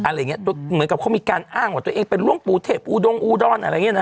เหมือนเขามีการอ้างว่าตัวเองเป็นลภูเทพอยู่ดองอูดรออย่างนี้นะคะ